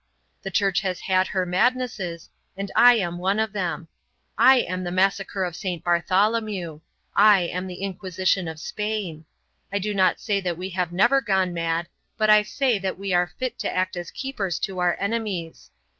The Church has had her madnesses, and I am one of them. I am the massacre of St. Bartholomew. I am the Inquisition of Spain. I do not say that we have never gone mad, but I say that we are fit to act as keepers to our enemies.